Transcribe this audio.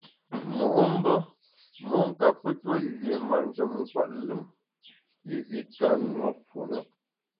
Mo’mbe mon kape tue lié manjem nkwet lùm yié i ka nùe fu na.